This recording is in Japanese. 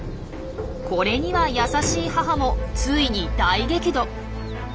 これには優しい母もついに大激怒。